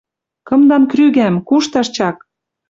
«Кымдан крӱгӓм, кушташ чак!» —